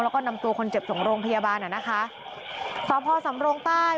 แล้วก็นำตัวคนเจ็บส่งโรงพยาบาลอ่ะนะคะสพสำรงใต้